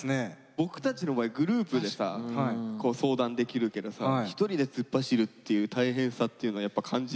僕たちの場合グループでさ相談できるけどさ一人で突っ走るっていう大変さっていうのはやっぱ感じる？